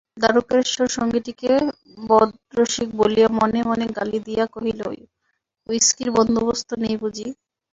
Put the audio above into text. দারুকেশ্বর সঙ্গীটিকে বদরসিক বলিয়া মনে মনে গালি দিয়া কহিল, হুইস্কির বন্দোবস্ত নেই বুঝি?